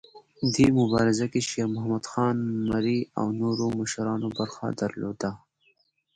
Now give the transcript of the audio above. دې مبارزه کې شیرمحمد خان مري او نورو مشرانو برخه درلوده.